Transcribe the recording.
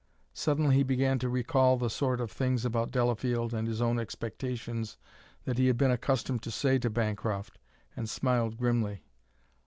Suddenly he began to recall the sort of things about Delafield and his own expectations that he had been accustomed to say to Bancroft, and smiled grimly.